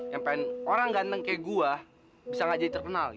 yang pengen orang ganteng kayak gue bisa gak jadi terkenal